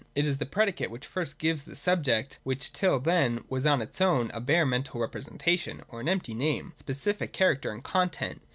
It is the predicate which first gives the subject, which till then was on its own account a bare mental repre sentation or an empty name, its specific character and content.